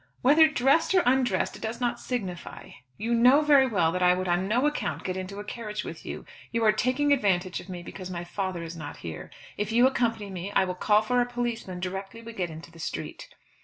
"Whether dressed or undressed it does not signify. You know very well that I would on no account get into a carriage with you. You are taking advantage of me because my father is not here. If you accompany me I will call for a policeman directly we get into the street."